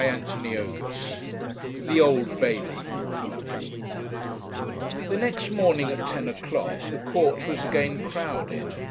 CHAPTER XLI THE OLD BAILEY The next morning, at ten o'clock, the court was again crowded.